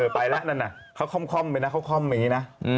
ไปล่ะนั่นซ่อมไปเภอมีน้ะ